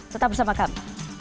tetap bersama kami